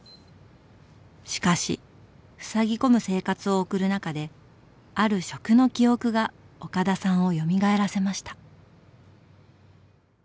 しかしふさぎ込む生活を送る中である食の記憶が岡田さんをよみがえらせました。